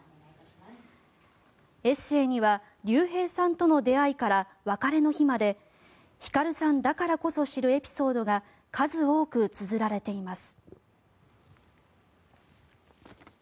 エッセーには竜兵さんとの出会いから別れの日まで光さんだからこそ知るエピソードが数多くつづられています。